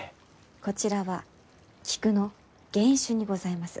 こちらは菊の原種にございます。